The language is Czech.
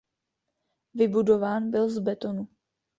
Vybudován byl z betonu.